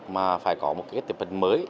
mà phải có một cái tiệm vật mới